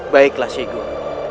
baiklah sheikh guru